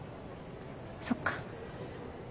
そっか。